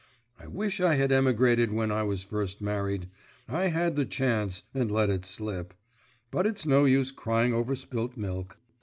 I wish I had emigrated when I was first married; I had the chance, and let it slip. But it's no use crying over spilt milk."